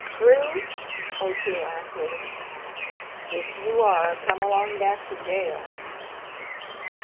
"Through?" O'Toole asked Wiggins. "If you are, come along back to jail."